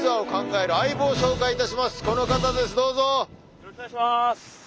よろしくお願いします。